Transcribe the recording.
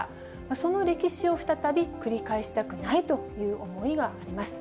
その歴史を再び繰り返したくないという思いがあります。